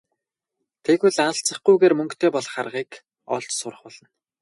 Тэгвэл алзахгүйгээр мөнгөтэй болох аргыг олж сурах болно.